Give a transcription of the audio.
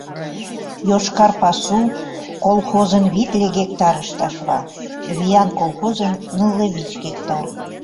«Йошкар пасу» колхозын витле гектарыш ташла, «Виян» колхозын — нылле вич гектар.